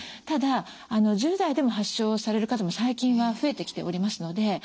ただ１０代でも発症される方も最近は増えてきておりますので。